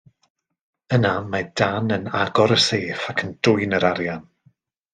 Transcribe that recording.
Yna mae Dan yn agor y sêff ac yn dwyn yr arian.